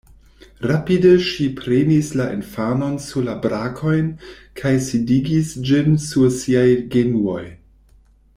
Rapide ŝi prenis la infanon sur la brakojn kaj sidigis ĝin sur siaj genuoj.